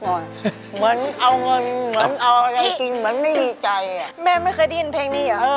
ร้องได้ให้ร้อง